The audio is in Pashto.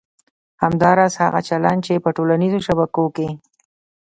همداراز هغه چلند چې په ټولنیزو شبکو کې